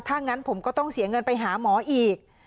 ถ้างั้นผมก็ต้องเสียเงินไปหาหมออีก